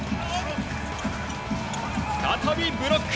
再びブロック。